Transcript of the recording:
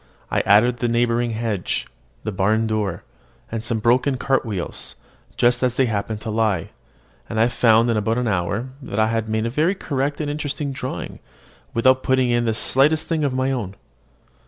I added the neighbouring hedge, the barn door, and some broken cart wheels, just as they happened to lie; and I found in about an hour that I had made a very correct and interesting drawing, without putting in the slightest thing of my own.